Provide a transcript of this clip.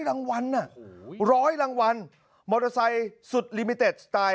รางวัลร้อยรางวัลมอเตอร์ไซค์สุดลิมิเต็ดสไตล์